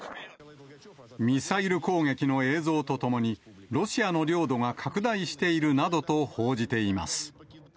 ミサイル攻撃の映像とともに、ロシアの領土が拡大しているなどと報じています。